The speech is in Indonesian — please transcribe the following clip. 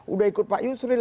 udah ikut pak yusril